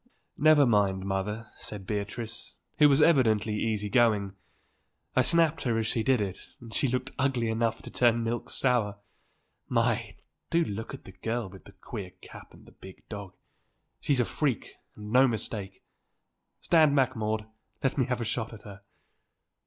"Never mind, mother," said Beatrice, who was evidently easy going; "I snapped her as she did it and she looked ugly enough to turn milk sour. My! do look at that girl with the queer cap and the big dog. She's a freak and no mistake! Stand back, Maude, and let me have a shot at her."